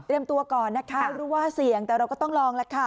ตัวก่อนนะคะรู้ว่าเสี่ยงแต่เราก็ต้องลองแล้วค่ะ